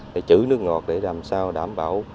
để trữ nước ngọt để làm sao đảm bảo